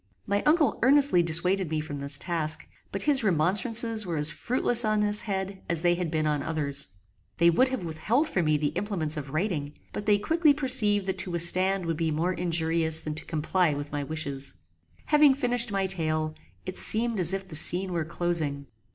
My uncle earnestly dissuaded me from this task; but his remonstrances were as fruitless on this head as they had been on others. They would have withheld from me the implements of writing; but they quickly perceived that to withstand would be more injurious than to comply with my wishes. Having finished my tale, it seemed as if the scene were closing.